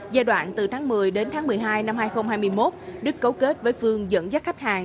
giai đoạn từ tháng một mươi đến tháng một mươi hai năm hai nghìn hai mươi một đức cấu kết với phương dẫn dắt khách hàng